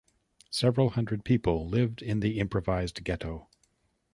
Several hundred people lived in the improvised ghetto.